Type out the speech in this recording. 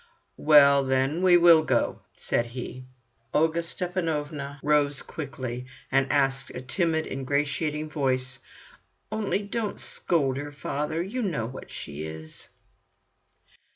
"Well, then, we will go!" said he. Olga Stepanovna rose quickly, and asked in a timid, ingratiating voice: "Only don't scold her, father! You know what she is."